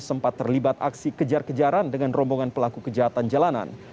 sempat terlibat aksi kejar kejaran dengan rombongan pelaku kejahatan jalanan